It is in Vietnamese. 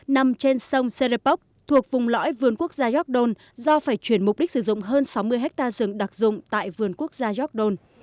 nằm trên sông serepoc thuộc vùng lõi vườn quốc gia york don do phải chuyển mục đích sử dụng hơn sáu mươi hectare rừng đặc dụng tại vườn quốc gia york don